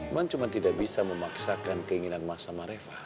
mas cuma tidak bisa memaksakan keinginan mas sama reva